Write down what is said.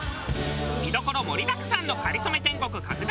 見どころ盛りだくさんの『かりそめ天国』拡大